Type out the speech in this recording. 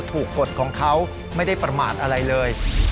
กฎของเขาไม่ได้ประมาทอะไรเลย